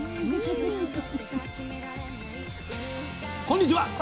こんにちは。